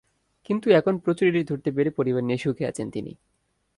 কিন্তু এখন প্রচুর ইলিশ ধরতে পেরে পরিবার নিয়ে সুখে আছেন তিনি।